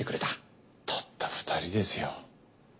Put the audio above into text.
たった２人ですよ。